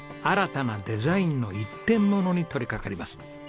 新たなデザインの一点物に取りかかります。